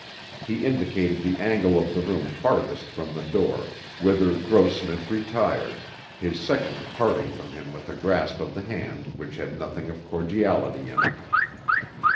He indicated the angle of the room farthest from the door, whither Grossmith retired, his second parting from him with a grasp of the hand which had nothing of cordiality in it.